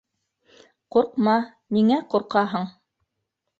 — Ҡурҡма, ниңә ҡурҡаһың?